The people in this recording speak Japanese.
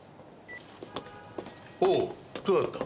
おうどうだった？